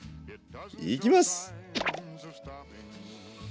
いきます！